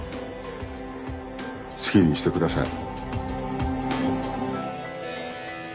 好きにしてください。